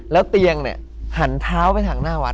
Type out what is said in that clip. แล้วเตียงเนี่ยหันเท้าไปทางหน้าวัด